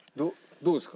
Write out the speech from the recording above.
どうですか？